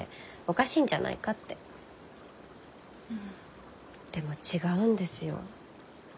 でも違うんですよ。